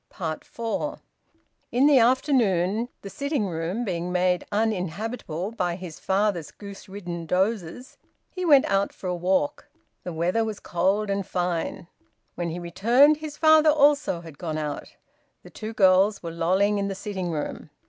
FOUR. In the afternoon, the sitting room being made uninhabitable by his father's goose ridden dozes, he went out for a walk; the weather was cold and fine. When he returned his father also had gone out; the two girls were lolling in the sitting room.